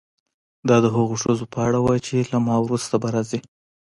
دا د هغو ښځو په اړه وه چې له ما وروسته به راځي.